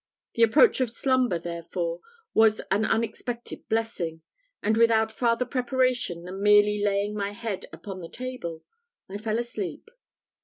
The approach of slumber, therefore, was an unexpected blessing, and without farther preparation than merely laying my head upon the table, I fell asleep.